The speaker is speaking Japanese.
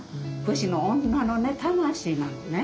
武士の女のね魂なのね。